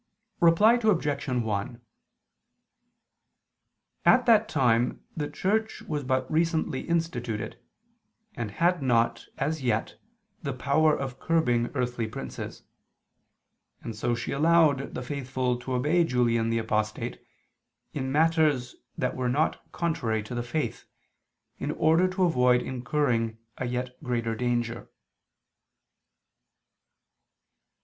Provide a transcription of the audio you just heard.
Reply Obj. 1: At that time the Church was but recently instituted, and had not, as yet, the power of curbing earthly princes; and so she allowed the faithful to obey Julian the apostate, in matters that were not contrary to the faith, in order to avoid incurring a yet greater danger.